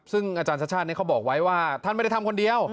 ซึ่งอาจารย์ชาติชาติเขาบอกไว้ว่าท่านไม่ได้ทำคนเดียว